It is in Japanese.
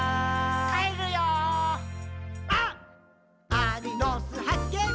アリの巣はっけん